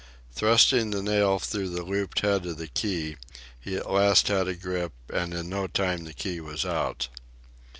Thrusting the nail through the looped head of the key, he at last had a grip, and in no time the key was out.